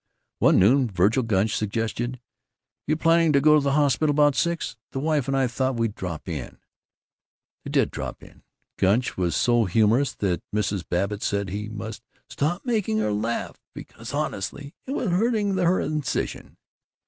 One noon Vergil Gunch suggested, "You planning to be at the hospital about six? The wife and I thought we'd drop in." They did drop in. Gunch was so humorous that Mrs. Babbitt said he must "stop making her laugh because honestly it was hurting her incision."